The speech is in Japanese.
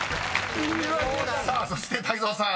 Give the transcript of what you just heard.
［さあそして泰造さん